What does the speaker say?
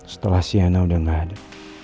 setelah sienna sudah tidak ada